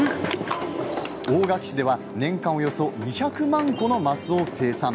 大垣市では年間およそ２００万個の升を生産。